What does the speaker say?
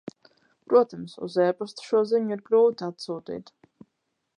Protams, uz e-pastu šo ziņu ir grūti atsūtīt...